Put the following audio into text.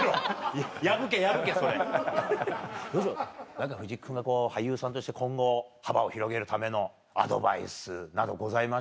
何か藤木君がこう俳優さんとして今後幅を広げるためのアドバイスなどございましたら。